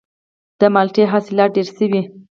د مالټې حاصلات ډیر شوي؟